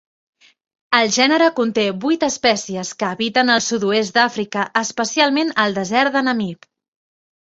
El gènere conté vuit espècies, que habiten al sud-oest d'Àfrica, especialment el desert de Namib.